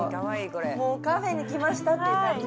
もうカフェに来ましたって感じ。